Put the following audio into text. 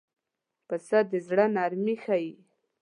پسه د زړه نرمي ښيي.